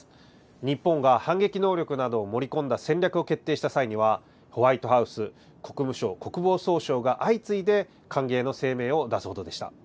日本が反撃能力などを盛り込んだ戦略を決定した際には、ホワイトハウス、国務省、国防総省が相次いで歓迎の声明を出すほどでした。